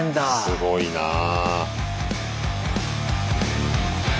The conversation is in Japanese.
すごいなあ。